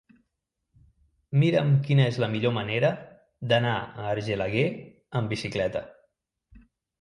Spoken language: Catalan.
Mira'm quina és la millor manera d'anar a Argelaguer amb bicicleta.